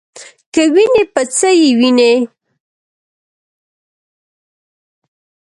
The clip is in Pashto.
کې وینې په څه یې وینې ؟